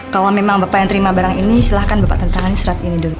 kalau memang bapak yang terima barang ini silahkan bapak tentang surat ini dulu